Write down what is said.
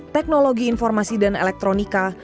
teknologi informasi dan elektronik